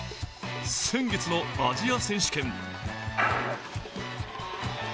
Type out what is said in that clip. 先月のアジア選手権。